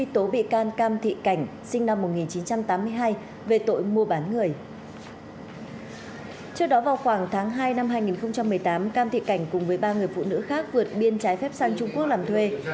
trước đó vào khoảng tháng hai năm hai nghìn một mươi tám cam thị cảnh cùng với ba người phụ nữ khác vượt biên trái phép sang trung quốc làm thuê